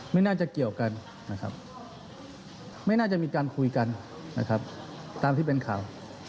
ไม่น่าจะเกี่ยวกันนะครับไม่น่าจะมีการคุยกันนะครับตามที่เป็นข่าว